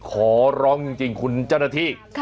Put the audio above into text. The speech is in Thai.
ขอร้องจริงคุณเจ้าหน้าที่